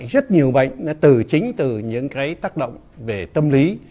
rất nhiều bệnh nó từ chính từ những cái tác động về tâm lý